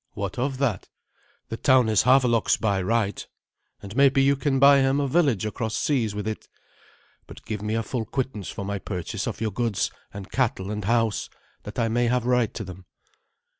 "What of that? The town is Havelok's by right, and maybe you can buy him a village across seas with it. But give me a full quittance for my purchase of your goods and cattle and house, that I may have right to them."